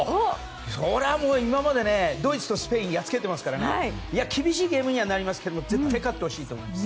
そりゃ、今までドイツとスペインをやっつけてますから厳しいゲームにはなりますけども絶対勝ってほしいと思います。